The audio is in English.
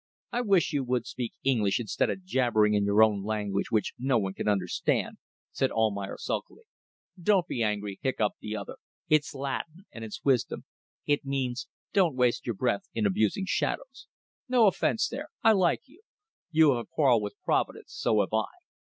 "I wish you would speak English instead of jabbering in your own language, which no one can understand," said Almayer, sulkily. "Don't be angry," hiccoughed the other. "It's Latin, and it's wisdom. It means: Don't waste your breath in abusing shadows. No offence there. I like you. You have a quarrel with Providence so have I.